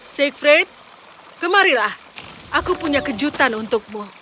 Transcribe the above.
siegfried kemarilah aku punya kejutan untukmu